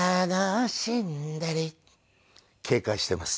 警戒しています。